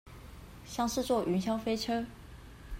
像是坐雲霄飛車